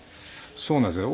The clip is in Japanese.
そうなんですよね。